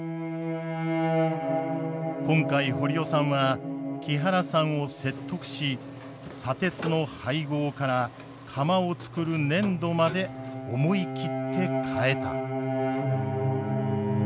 今回堀尾さんは木原さんを説得し砂鉄の配合から釜をつくる粘土まで思い切って変えた。